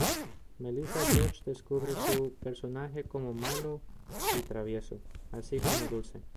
Melissa George describe su personaje como "malo" y "travieso", así como "dulce".